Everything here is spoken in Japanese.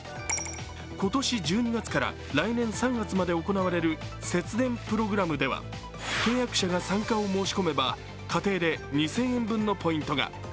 今年１２月から来年３月まで行われる節電プログラムでは、契約者が参加を申し込めば家庭で２０００円分のポイントが。